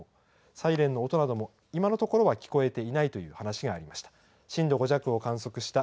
サイレンの音なども今のところは聞こえていないという話がありました。